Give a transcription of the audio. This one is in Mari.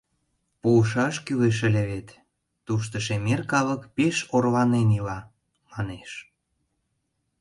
— Полшаш кӱлеш ыле, вет тушто шемер калык пеш орланен ила, манеш.